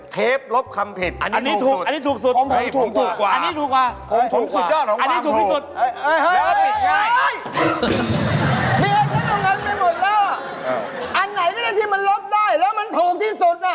ต้องมาซื้อของอะไรอะไรอะไร